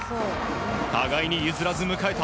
互いに譲らず迎えた